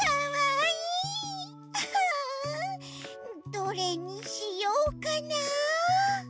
どれにしようかなあ？